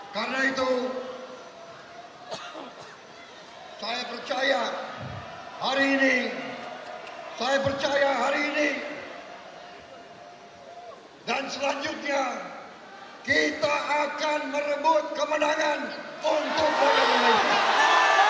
karena itu saya percaya hari ini saya percaya hari ini dan selanjutnya kita akan merebut kemenangan untuk dunia ini